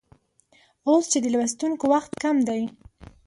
اوس چې د لوستونکو وخت کم دی